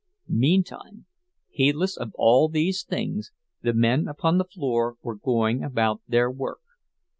Meantime, heedless of all these things, the men upon the floor were going about their work.